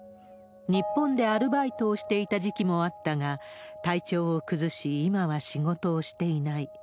日本でアルバイトをしていた時期もあったが、体調を崩し、今は仕事をしていない。